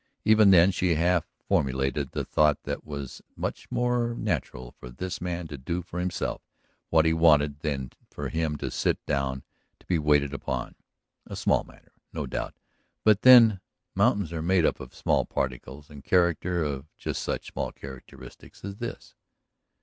Even then she half formulated the thought that it was much more natural for this man to do for himself what he wanted than for him to sit down to be waited upon. A small matter, no doubt; but then mountains are made up of small particles and character of just such small characteristics as this.